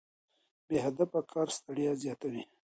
بې هدفه کار ستړیا زیاتوي.